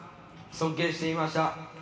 「尊敬していました」